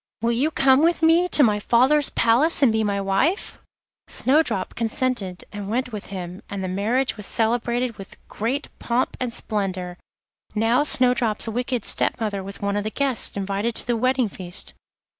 Will you come with me to my father's palace and be my wife?' Snowdrop consented, and went with him, and the marriage was celebrated with great pomp and splendour. Now Snowdrop's wicked step mother was one of the guests invited to the wedding feast.